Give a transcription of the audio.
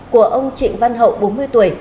của ông trịnh văn hậu bốn mươi tuổi